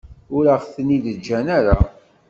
Ur aɣ-ten-id-ǧǧan ara.